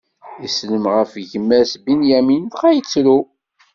Isellem ɣef gma-s Binyamin, dɣa ittru.